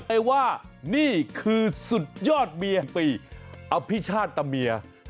ไอ้ว่านี่คือสุดยอดเมียปีอภิชาติตะเมีย